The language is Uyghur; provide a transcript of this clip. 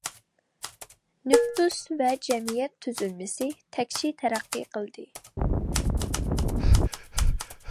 نوپۇس ۋە جەمئىيەت تۈزۈلمىسى تەكشى تەرەققىي قىلدى.